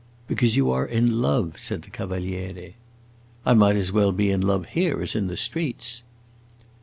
"Because you are in love," said the Cavaliere. "I might as well be in love here as in the streets."